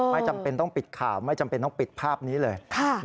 ไม่จำเป็นต้องปิดข่าวไม่จำเป็นต้องปิดภาพนี้เลย